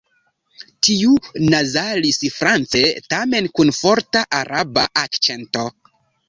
Tiu nazalis France tamen kun forta Araba akĉento.